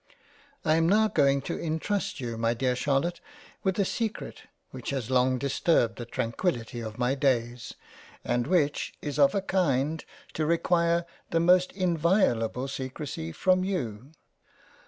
I am now going to intrust you my dear Charlotte with a 76 £ LESLEY CASTLE £ secret which has long disturbed the tranquility of my days, and which is of a kind to require the most inviolable Secrecy from you.